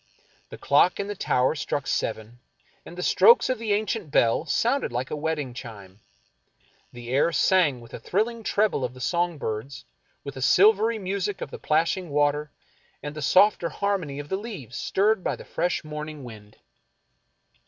The clock in the tower struck seven, and the strokes of the ancient bell sounded like a wedding chime. The air sang with the thrilling treble of the song birds, with the silvery music of the plashing water and the softer har mony of the leaves stirred by the fresh morning wind.